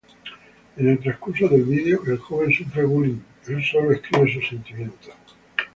En el transcurso del vídeo, el joven sufre "bullying", el solo escribe sus sentimientos.